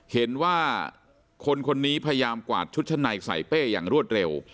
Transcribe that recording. เห็นว่าคนคนนี้พยายามกวาดชุดชั้นในใส่เป้อย่างรวดเร็ว